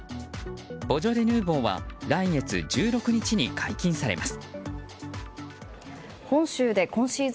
ボジョレ・ヌーボーは来月１６日に解禁されます。